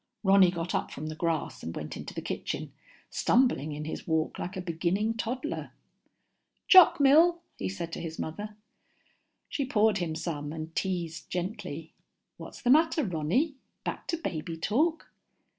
Ronny got up from the grass and went into the kitchen, stumbling in his walk like a beginning toddler. "Choc mil?" he said to his mother. She poured him some and teased gently, "What's the matter, Ronny back to baby talk?"